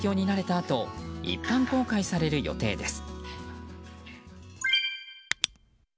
あと一般公開される予定です。